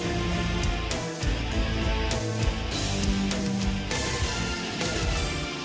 สวัสดีครับ